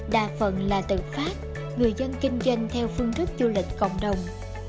đa phần là từ pháp người dân kinh doanh theo phương thức du lịch cộng đồng